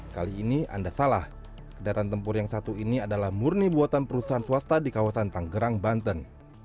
kali ini anda salah kendaraan tempur yang satu ini adalah murni buatan perusahaan swasta di kawasan tanggerang banten